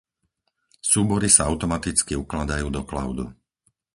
Súbory sa automaticky ukladajú do cloudu.